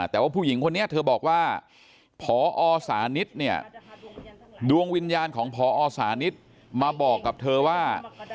แต่ว่าผู้หญิงคนนี้เธอบอกว่าดวงวิญญาณของมาบอกกับเธอว่า